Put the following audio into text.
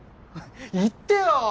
言ってよ！